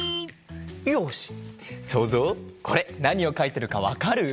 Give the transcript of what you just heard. よしそうぞうこれなにをかいてるかわかる？